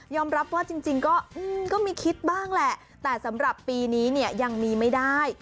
รับว่าจริงก็มีคิดบ้างแหละแต่สำหรับปีนี้เนี่ยยังมีไม่ได้